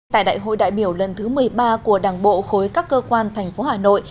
tại đại hội đại biểu lần thứ một mươi ba của đảng bộ khối các cơ quan thành phố hà nội